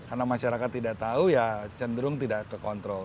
karena masyarakat tidak tahu ya cenderung tidak kekontrol